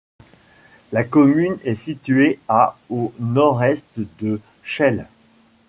La commune est située à au nord-est de Chelles.